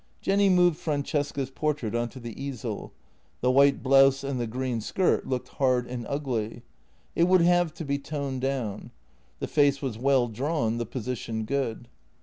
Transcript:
Jenny moved Francesca's portrait on to the easel. The white blouse and the green skirt looked hard and ugly. It would have to be toned down. The face was well drawn, the position good.